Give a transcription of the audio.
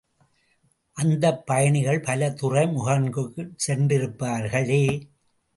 அந்தப் பயணிகள் பல துறைமுகங்கட்குச் சென்றிருப்பார்களே.